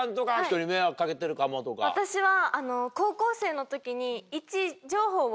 私は。